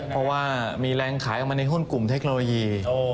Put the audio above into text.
เพราะว่ามีแรงขายออกมาในหุ้นกลุ่มเทคโนโลยี